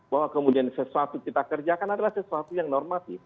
bahwa kemudian sesuatu kita kerjakan adalah sesuatu yang normatif